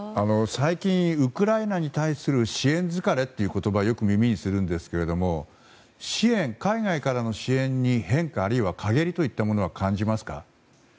最近ウクライナに対する支援疲れという言葉をよく耳にするんですが海外からの支援に変化、あるいは陰りは感じますか？